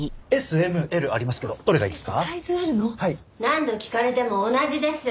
何度聞かれても同じです。